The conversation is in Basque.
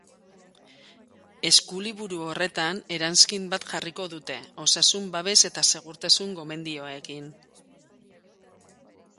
Eskuliburu horretan eranskin bat jarriko dute, osasun babes eta segurtasun-gomendioekin.